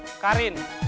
ya keren banget